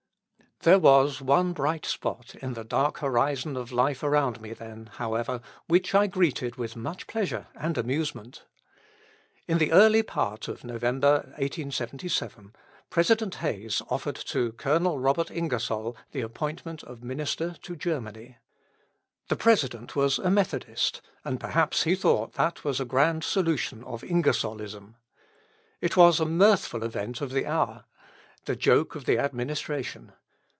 There was one bright spot in the dark horizon of life around me then, however, which I greeted with much pleasure and amusement. In the early part of November, 1877, President Hayes offered to Colonel Robert Ingersoll the appointment of Minister to Germany. The President was a Methodist, and perhaps he thought that was a grand solution of Ingersollism. It was a mirthful event of the hour the joke of the administration.